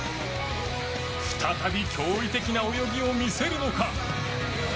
再び驚異的な泳ぎを見せるのか？